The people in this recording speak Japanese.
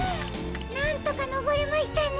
なんとかのぼれましたね。